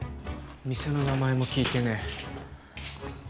店の名前も聞いてねえ。